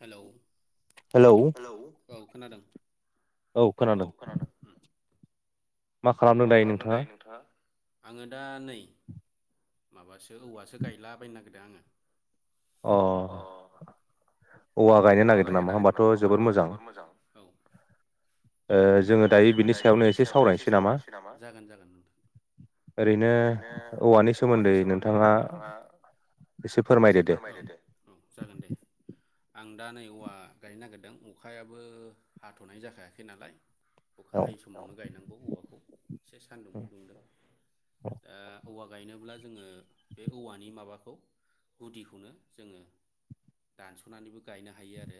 Hello. Hello. खोनादों। औ खोनादों। मा खालामदों दायो नोंथाङा? आङो दा नै माबा सो औवासो गायला बायनो ना दा आङो अ औवा औवा गायनो नागिरदों नामा होमबाथ जोबोद मोजां औ। जागोन जागोन नोंथां। औ जागोन दे आं दा नै औवा गायनो नागिरदों अखायाबो हाथनाय जाखायाखै नालाय अखा हायै समावनो गायनांगौ औवाखौ एसे सानदुंबो दुंदों दा औवा गायनोब्ला जोङो बे औवानि माबाखौ गुदिखौनो जोङो दानसनानैबो गायनो हायो आरो।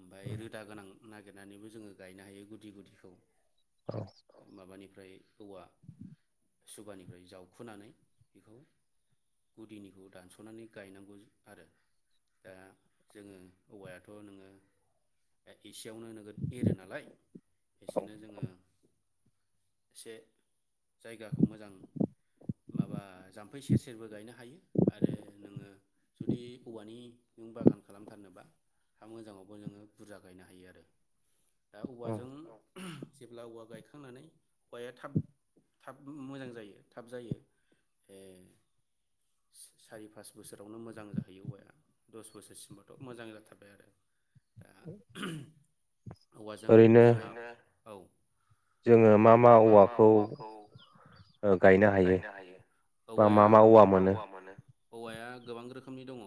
ओमफ्राय रोदा गोनां नागिरनानैबो जोङो गायनो हायो गुदि गुदिखौ अ ओमफ्राय औवा सुबानिफ्राय जावखुनानै बेखौ गुदिनिखौ दानसनानै गायनांगौ आरो दा जोङो औवायाथ नोङो एसेयावनो नोगोद एरो नालाय बिसोरनो जोङो एसे जायगाखौ मोजां माबा जाम्फै सेर सेरबो गायनो हायो आरो नोङो जुदि औवानि नों बागान खालामथारनोबा हा मोजाङावबो जोङो बुरजा गायनो हायो आरो। दा औवाजों जेब्ला औवा गायखांनानै औवाया थाब थाब मोजां जायो थाब जायो ओ स-सारि पास बोसोरावनो मोजां जाहैयो औवाया दस बोसोरसिमबाथ मोजां जाथा बाय आरो [inaudible] औवाजों जोंहा औ जोङो मा मा औवाखौ ओ गायनो हायो बा मा मा औवा मोनो? औवाया गोबां रोखोमनि दंङ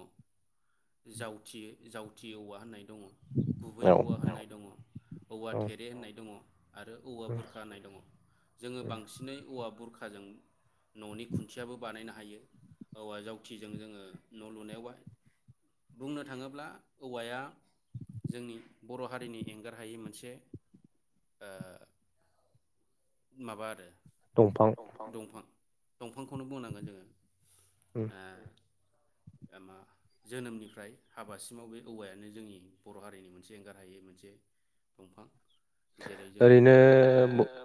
जावथि-जाव टि औवा होननाय दंङ' गुबै औवा होननाय दङ' औवा थेरे होननाय दंङ' आरो औवा बुरखा होननाय दंङ जोङो बांसिनै औवा बुरखाजों न'नि खुन्थियाबो बानायनो हायो औवा जावथिजों जोङो न' लुनायाव बाहाय बुंनो थाङोब्ला औवाया जोंनि बर' हारिनि एंगार हायि मोनसे ओ माबा आरो दंफां दंफांखौनो बुंनांगोन जोङो ओ एमा जोनोमनिफ्राय हाबासिमाव बे औवायानो जोंनि बर' हारिनि मोनसे एंगार हायै मोनसे दंफां। जेरै जोङो ओरैनो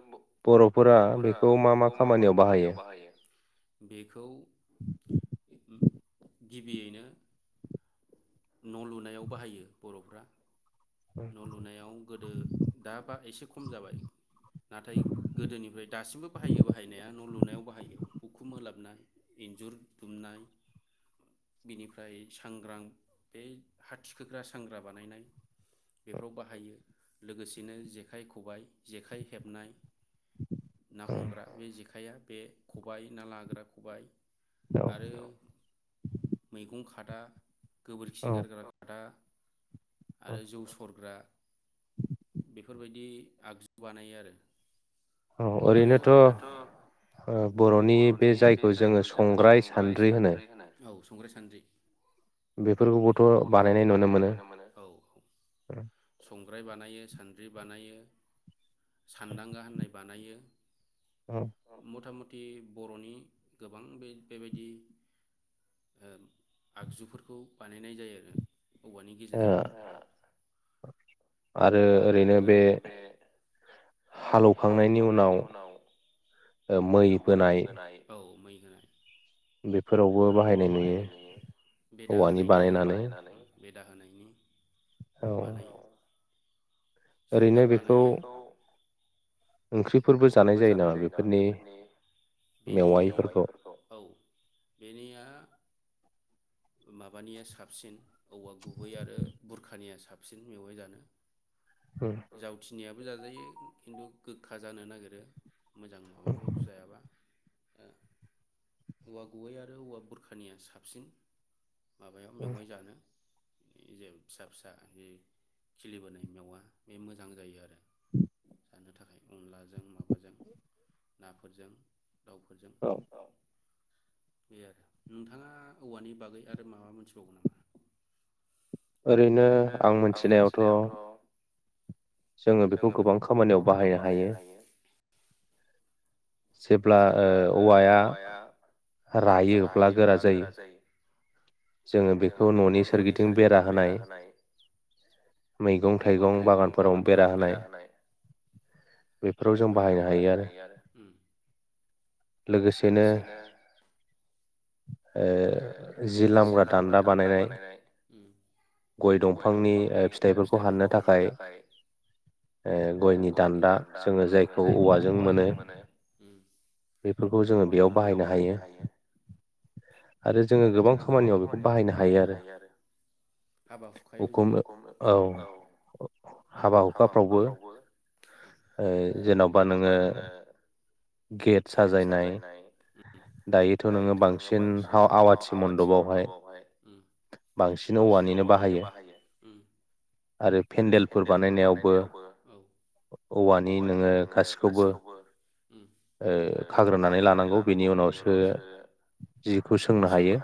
ब-बर'फोरा बेखौ मा मा खामानियाव बाहायो? बेखौ [unintelligible] गिबियैनो नलु नायाव बाहायो बर'फ्रा न' लुनायाव गोदो दा बा एसे खम जाबाय नाथाय गोदोनिफ्राय दासिमबो बाहायो बाहायनाया न' लुनायाव बाहायो उखुम होलाबनाय इन्जुर दुमनाय बिनिफ्राय सांग्रां बे हाथिखोग्रा सांग्रा बानायनाय। बेफोराव बाहायो लोगोसेनो जेखाइ खबाइ जेखाइ हेबनाय ना हमग्रा बे जेखाइआ बे खबाय ना लाग्रा खबाय आरो मैगं खादा गोबोरखि गारग्रा खथा आरो जौ सरग्रा बेफोरबायदि आगजु बानायो आरो आरो ओरैनोथ' औ बर'नि बे जायखौ जोङो संग्राय सान्द्रि होनो औ सं संग्राय सान्द्रि बेफोरखौबोथ' बानायनाय नुनो मोनो। ओं संग्राय बानायो सान्द्रि बानायो सानदांगा होननाय बानायो मुथा मुथ थि बर'नि गोबां बे बेबायदि ओ आगजुफोरखौ बानायनाय जायो आरो औवानि गेजेरजोंनो आरो ओरैनो बे हालौखांनायनि उनाव मै बोनाय औ मै उम बेदा होनायनि औ। बेदा होनायनि बानायो। बेफोरखौ ओंख्रिफोरबो जानाय जायो नामा बेफोरनि मेवायफोरखौ? माबानिया साबसिन औवा गुबै आरो बुरखानिया साबसिन मेवाइ जानो। जावथिनिया बेबो जाजायो खिन्थु गोखा जानो नागिरो [inaudible] ओं औवा गुबै आरो औवा बुरखानिया साबसिन। माबायाव मेवाइ जानो। [inaudible] फिसा फिसा बे खिलिबोनाय मेवा बे मोजां जायो आरो जानो थाखाय अनलाजों माबाजों नाफोरजों। बे आरो नोंथाङा औवानि बागै आरो माबा मोनथिबावगौ नामा? ओरैनो आं मोनथिनायावथ' जोङो बेखौ गोबां खामानियाव बाहायनो हायो जेब्ला ओ औवाया रायोब्ला गोरा जायो जोङो बेखौ न'नि सोरगिदिं बेरा होनाय मैगं थाइगं बागानफोराव बेरा होनाय बेफोराव जों बाहायनो हायो आरो लोगोसेनो ओ जि लामग्रा दान्दा बानायनाय गय दंफांनि ओ फिथाइ फोरखौ हाननो थाखाय ओ गयनि दान्दा जोङो जायखौ औवाजों बानायो बेफोरखौ जोङो बेयाव बाहायनो हायो आरो जोङो गोबां [inaudible] गेट साजायनाय दायोथ' नोङो बांसिन हा आवाथि मन्दबाव बेहाय बांसिन औवानिनो बाहायो आरो पेन्देलफोर बानायनायावबो औवानि नोङो गासिखौबो ओ खाग्रोनानै लानांगौ बेनि उनावसो जिखौ सोंनो हायो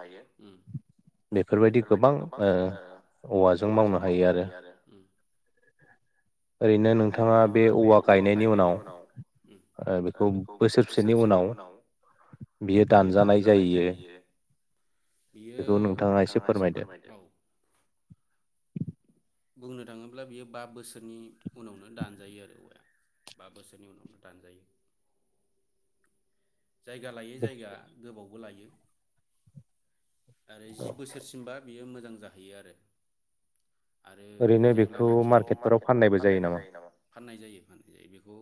बेफोरबायदि गोबां ओ औवाजों मावनो हायो आरो ओरैनो नोंथाङा बे औवा गायनायनि उनाव ओ [inaudible] बुंनो थाङोब्ला बियो बा बोसोरनि उनावनो दानजायो आरो औवाया बा बोसोरनि उनावनो दानजायो जायगा लायै जायगा गोबाव लायो [inaudible] आरो जि बोसोरसिमबा बियो मोजां जाहैयो आरो आरो जेब्लानाखि मार्केटफोराव फाननायबो जायो नामा फाननाय जायो फाननाय जायो बेखौ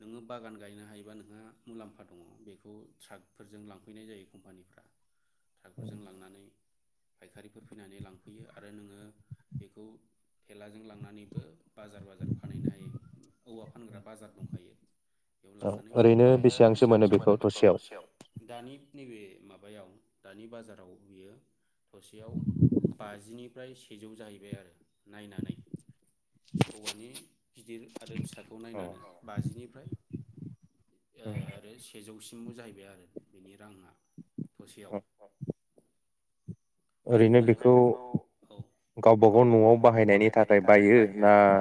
नोङो बागान गायनो हायोबा नोंहा मुलाम्फा दं। [inaudible] [inaudible] [inaudible] औ ओरैनो बेसेबां बिसांसो मोनो बेखौ थसेयाव मोनो दानि नैबे माबायाव दानि बाजाराव बियो थसेयाव बाजिनिफ्राय सेजौ जाहैबाय आरो नायनानै औवानि गिदिर आरो फिसाखौ नायनानै बाजिनिफ्राय औ सेजौसिमबो जाहैबाय आरो बेनि रांङा थसेयाव आरो ओरैनो बेखौ गावबागाव नआव बाहायनायनि थाखाय बायो ना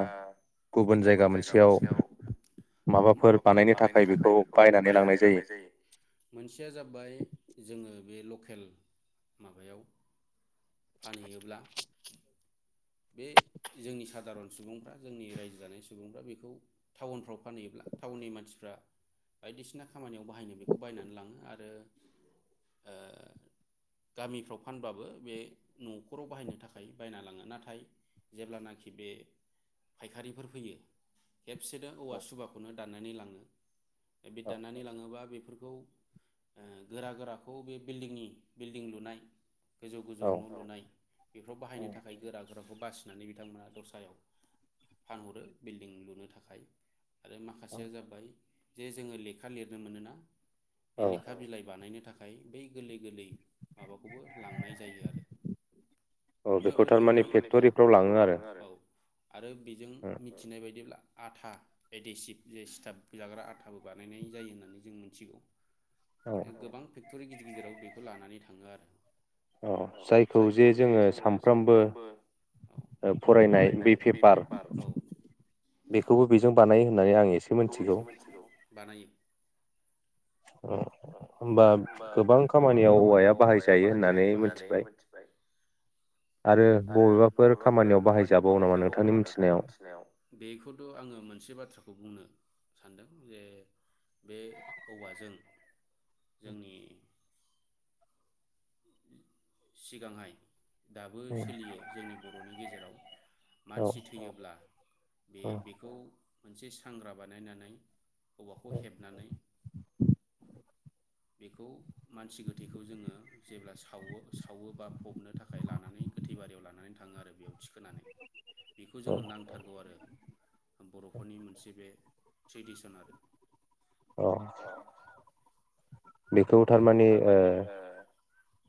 गुबुन जायगा मोनसेयाव माबाफोर बानायनो थाखाय बेखौ बायनानै लांनाय जायो मोनसेया जाबाय जोङो बे लकेल माबायाव फानहैयोब्ला बे जोंनि सादारन सुबुंफ्रा जोंनि रायजो जानाय सुबुंफ्रा बेखौ टाउनफ्राव फानहैयोब्ला टाउननि मानसिफ्रा बायदिसिना खामानियाव बाहायनो बेखौ बायनानै लांङो आरो ओ गामिफ्राव फानबाबो बे नखराव बाहायनो थाखाय बायना लांङो। नाथाय नाथाय जेब्लानाखि बे फायखारिफोर फैयो खेबसेनो औवा सुबाखौनो दाननानै लांङो बि दाननानै लांङोबा बे बेफोरखौ ओ गोरा गोराखौ बे बिल्डिंनि बिल्डिं लुनाय गोजौ गोजौ न लुनाय बेफोराव बाहायनो थाखाय गोरा खौ बासिनानै बिथांमोना दस्रायाव फानहरो बिल्दिं लुनो थाखाय आरो माखासेया जाबाय जे जोंङो लेखा लिरनो मोनोना बे लेखा बिलाइ बानायनो थाखाय थाखाय बै गोरलै गोरलै माबाखौबो लांनाय जायो आरो अनेक रोखोमनि क्टरिफ्राव लांङो आरो आरो बेजों मिथिनाय बायदिब्ला आथा एडेसिभ जे सिथाब जाग्रा आथाबो बानायनाय जायो होननानै जों मोनथिगौ ए गोबां थ थुरि गिदिर गिदिराव बेखौ लानानै थांङो आरो अ जायखौ जे जोंङो सामफ्रामबो ओ फरायनाय बै फेपार बेखौबो बे जों बानायो दायो आं एसे मोनथिगौ होमबा गोबां खामानियाव हौवाया बाहायजायो बाहायजायो मोनथिबाय आरो बबेबाफोर खामानियाव बाहायजाबावो नामा नोंथांनि मोनथिनायाव बेखौथ आंङो मोनसे बाथ्राखौ बुंनो सानदों जे बे औवाजों जोंनि सिगांहाय दाबो सोलियो जोंनि बरनि गेजेराव जेराव। मानसि थैयोब्ला बे बेखौ। मोनसे सांग्रा बानायनानै। औवाखौ हेबनानै बेखौ मानसि गोथैखौ जोङो जेब्ला सावो सावो बा फबनो थाखाय लानानै गोथैबारियाव लानानै थाङो आरो बेयाव थिखोनानै बेखौ जोङो नांथारगौ आरो बर'फोरनि मोनसे बे ट्रिडिस'नारि औ। बेखौ थारमाने ओ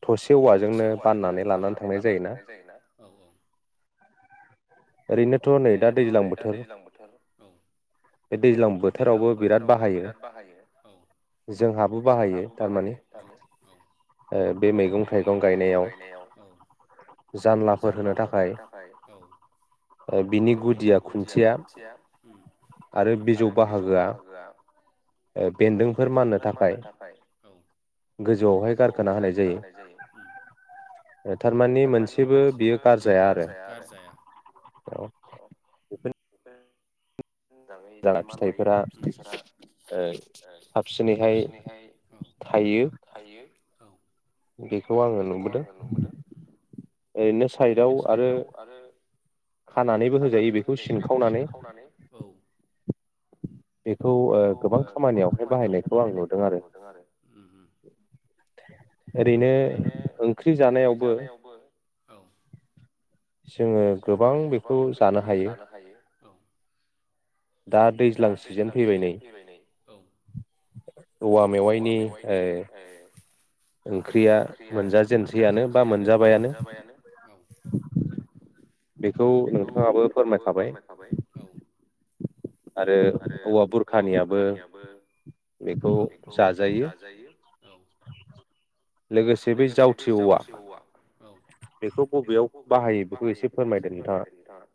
थसे औवाजोंनो बाननानै लानानै थांनाय जायोना? ओरैनोथ' नै दा दैज्लां बोथोर बे दैज्लां बोथोरावबो बिराद बाहायो, औ, जोंहाबो बाहायो, औ, ओ बे मैगं-थाइगं गायनायाव जानलाफोर होनो थाखाय बिनि गुदिया खुनथिया आरो बिजौ बाहागोआ। बेनदोंफोर माननो थाखाय औ, गोजौआवहाय गारखोना होनाय जायो औ, थारमाने मोनसेबो बियो गारजाया आरो गारजाया! औ बे। मोजाङै जुदि मानलायोबा फिथाइफोरा साबसिनैहाय थायो औ बेखौ आङो नुबोदों ओरैनो साइदआव आरो। औ खानानैबो होजायो बेखौ सिनखावनानै औ। बेखौ ओ गोबां खामानियावहाय बाहायनायखौ आं नुदों आरो ओम ओम ओरैनो ओंख्रि जानायावबो औ। जोङो गोबां बेखौ जानो हायो। औ। दा दैज्लां सिजोन फैबाय नै। औवा मेवाइनि ओंख्रिया मोनजाजेनसैयानो बा मोनजाबायानो औ बेखौ नोंथाङाबो फोरमायखाबाय औ। आरो औवा बुरखानियाबो औ बेखौ जाजायो औ लोगोसे बै जावथि औवा औ। बेखौ बबेयाव बाहायो बेखौ एसे फोरमायदों नोंथांआ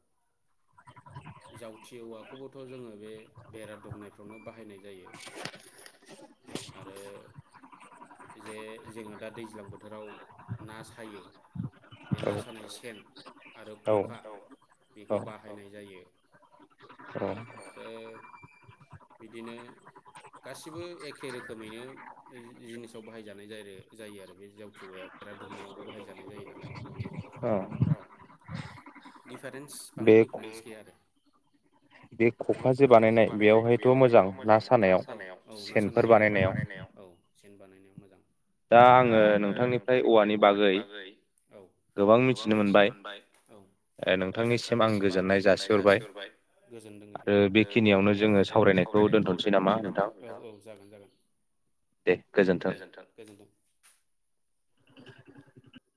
जावथियाव? खौबोथ' जोङो बे बेरा दुमनायफ्रावनो बाहायनाय जायो आरो। जे जोङो दा दैज्लां बोथोराव ना सायो बे ना सानाय सेन आरो खखायाव बेखौ बाहायनाय जायो। [unintelligible] बिदिनो गासिबो एखे रोखोमैनो जिनिसाव बाहायजानाय ज जायो आरो बे जावथिवाया बेरादुमनायावबो बाहायजानाय जायो नालाय। ओ। दिफारेन्स फालाय दिडिफारेन्स गैया आरो। बे खखा जे बानायनाय बेयावहायथ' मोजां ना सानायाव सेनफोर बानायनायाव दा आङो नोंथांनिफ्राय औवानि बागै औ गोबां मिथिनो मोनबाय औ नोंथांनिसिम आं गोजोननाय जासिहरबाय। ओ बेखिनियावनो जोङो सावरायनायखौ दोनथ'नोसै नामा! दे गोजोनथों।